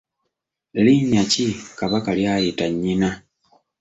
Linnya ki Kabaka ly’ayita nnyina?